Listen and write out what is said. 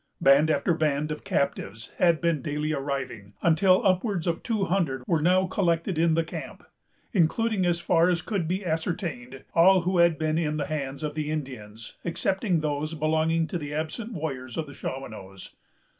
Band after band of captives had been daily arriving, until upwards of two hundred were now collected in the camp; including, as far as could be ascertained, all who had been in the hands of the Indians, excepting those belonging to the absent warriors of the Shawanoes.